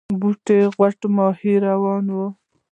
بتۍ کې غټ ماهی روان و.